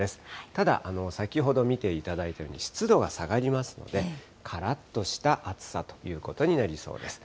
ただ、先ほど見ていただいたように湿度が下がりますので、からっとした暑さということになりそうです。